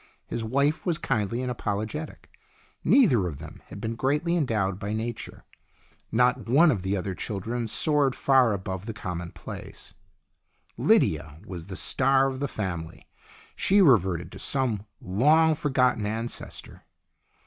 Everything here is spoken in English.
His wife was kindly and apologetic. Neither of them had been greatly endowed by nature. Not one of the other children soared far HER PEOPLE 137 above the commonplace. Lydia was the star of the family. She reverted to some long forgotten ancestor.